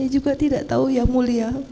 saya juga tidak tahu ya mulia